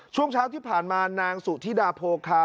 ช่วงเช้าที่ผ่านมานางสุธิดาโพคา